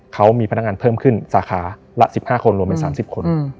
เขามีพนักงานเพิ่มขึ้นสาขาละ๑๕คนรวมเป็น๓๐คน